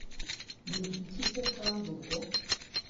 nigiki se kandi ubwo